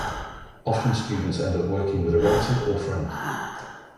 Often students end up working with a relative or friend.